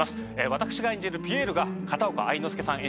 私が演じるピエールが片岡愛之助さん